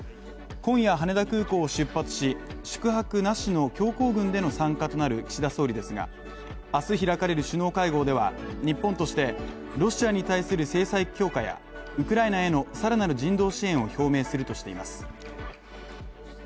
今夜、羽田空港を出発し、宿泊なしの強行軍での参加となる岸田総理ですが、明日開かれる首脳会合では日本としてロシアに対する制裁強化やウクライナへの更なる人道支援を表明するとしています。